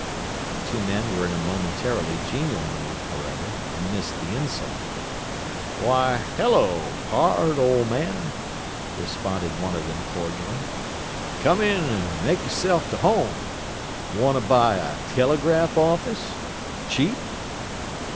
The two men were in a momentarily genial mood, however, and missed the insult. "Why, hello pard, ol' man," responded one of them cordially. "Come in an' make 'self t' home. Wanta buy a telegraph office? Cheap?"